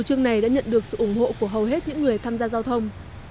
chủ trương này đã nhận được sự ủng hộ của hầu hết những người tham gia giao thông